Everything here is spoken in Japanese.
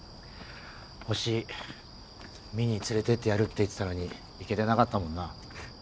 星見に連れてってやるって言ってたのに行けてなかったもんな。